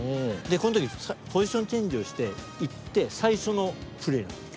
この時ポジションチェンジをして行って最初のプレーなんです。